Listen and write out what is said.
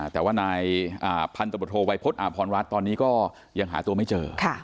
แต่ว่านายพันธบทโทวัยพฤษอาพรรัฐตอนนี้ก็ยังหาตัวไม่เจอ